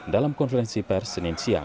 dalam konferensi persenensia